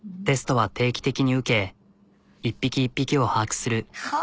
テストは定期的に受け一匹一匹を把握する。